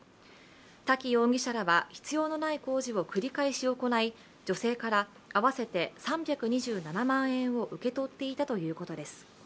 滝容疑者らは必要のない工事を繰り返し行い女性から合わせて３２７万円を受け取っていたということです。